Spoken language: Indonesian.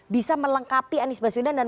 bisa melengkapi anies baswedan dan